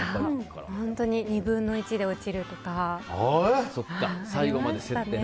本当に２分の１で落ちるとかありましたね。